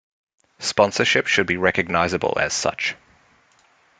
Sponsorship should be recognisable as such.